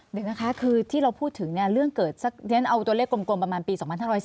เดี๋ยวนะคะที่เราพูดถึงเรื่องเกิดเอาตัวเลขโกรธประมาณปี๒๕๔๐